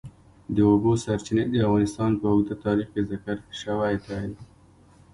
د اوبو سرچینې د افغانستان په اوږده تاریخ کې ذکر شوی دی.